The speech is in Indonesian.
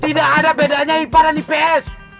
tidak ada bedanya ipa dan ips